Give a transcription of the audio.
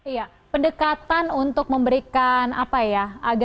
iya pendekatan untuk memberikan apa ya